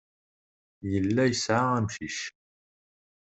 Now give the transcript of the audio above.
Yella yesɛa amcic.